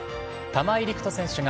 玉井陸斗選手